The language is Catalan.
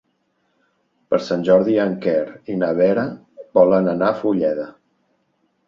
Per Sant Jordi en Quer i na Vera volen anar a Fulleda.